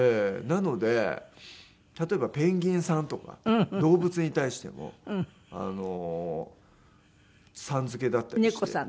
なので例えば「ペンギンさん」とか動物に対しても「さん」付けだったりして。